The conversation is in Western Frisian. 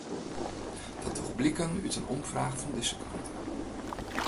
Dat docht bliken út in omfraach fan dizze krante.